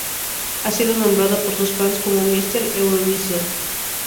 Ha sido nombrado por sus fans como "Mister Eurovisión".